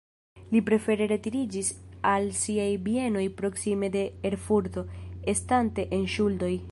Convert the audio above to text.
Li prefere retiriĝis al siaj bienoj proksime de Erfurto, estante en ŝuldoj.